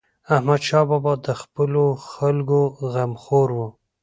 احمدشاه بابا د خپلو خلکو غمخور و.